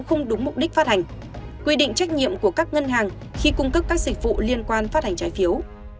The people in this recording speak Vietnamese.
không đúng mục đích phát hành quy định trách nhiệm của các ngân hàng khi cung cấp các dịch vụ liên quan phát hành trái phiếu